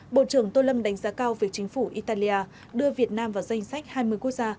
bộ trưởng tô lâm đánh giá cao việc chính phủ italia đưa việt nam vào danh sách hai mươi quốc gia